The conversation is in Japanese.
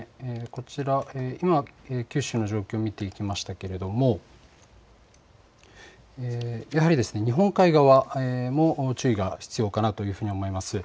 今、九州の状況を見てきましたけれども日本海側も注意が必要かなというふうに思います。